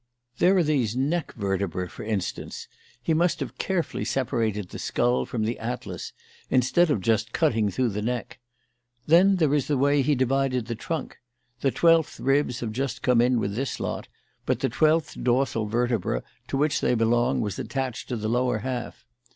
There are these neck vertebrae, for instance. He must have carefully separated the skull from the atlas instead of just cutting through the neck. Then there is the way he divided the trunk; the twelfth ribs have just come in with this lot, but the twelfth dorsal vertebra to which they belong was attached to the lower half.